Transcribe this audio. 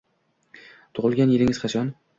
Tug’ilgan yilingiz qachon?